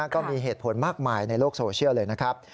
ก็มีเหตุผลมากมายในโลกโซเชียลเลยนะครับ